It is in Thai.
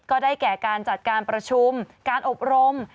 ก็ได้แก่การจัดการประชุมการอบรม